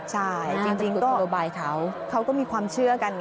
ใช่จริงก็เค้าก็มีความเชื่อกัน